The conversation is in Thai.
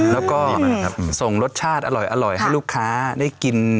แล้วก็ส่งรสชาติอร่อยให้ลูกค้าได้กิน